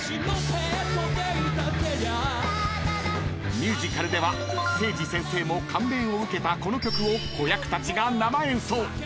［ミュージカルではセイジ先生も感銘を受けたこの曲を子役たちが生演奏］